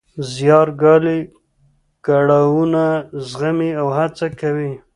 زیار ګالي، کړاوونه زغمي او هڅه کوي.